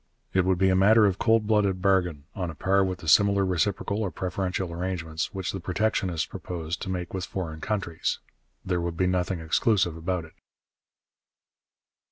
It would be a matter of cold blooded bargain, on a par with the similar reciprocal or preferential arrangements which the protectionists proposed to make with foreign countries. There would be nothing exclusive about it.